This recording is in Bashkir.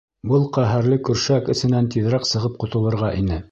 Был ҡәһәрле көршәк эсенән тиҙерәк сығып ҡотолорға ине.